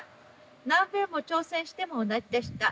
何べんも挑戦しても同じでした。